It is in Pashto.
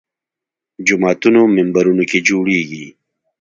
جوماتونو منبرونو کې جوړېږي